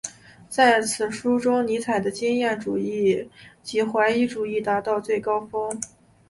在此书中尼采的经验主义及怀疑主义达到最高峰。